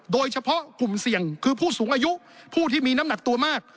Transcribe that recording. โดยเฉพาะกลุ่มเสี่ยงคือผู้สูงอายุผู้ที่มีน้ำหนักตัวมาก